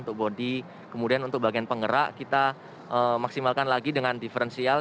untuk bodi kemudian untuk bagian penggerak kita maksimalkan lagi dengan diferensial